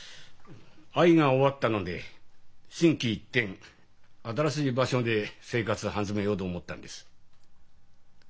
愛が終わったので心機一転新しい場所で生活始めようと思ったんです。